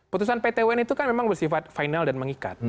putusan pt un itu kan memang bersifat final dan mengikat